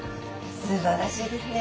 すばらしいですね。